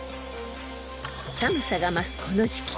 ［寒さが増すこの時季］